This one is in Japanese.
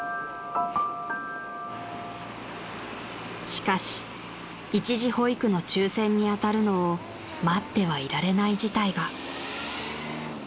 ［しかし一時保育の抽選に当たるのを待ってはいられない事態が］